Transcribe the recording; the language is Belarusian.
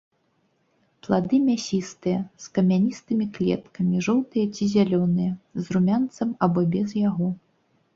Плады мясістыя, з камяністымі клеткамі, жоўтыя ці зялёныя, з румянцам або без яго.